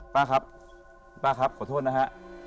ป้าครับป้าครับขอโทษนะฮะ